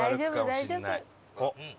おっ。